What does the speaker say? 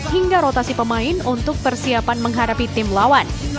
hingga rotasi pemain untuk persiapan menghadapi tim lawan